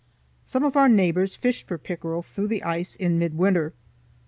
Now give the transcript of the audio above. Some of our neighbors fished for pickerel through the ice in midwinter.